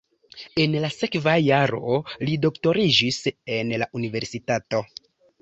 En la sekva jaro li doktoriĝis en la universitato.